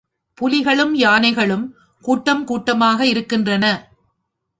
புலிகளும், யானைகளும் கூட்டம் கூட்டமாக இருக்கின்றன.